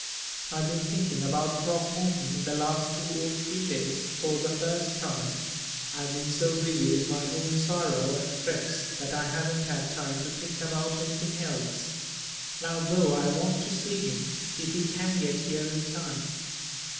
"I've been thinking about Throckmorton in the last two or three days for the first time. I have been so busy with my own sorrow and Freke's that I haven't had time to think about anything else. Now, though, I want to see him if he can get here in time."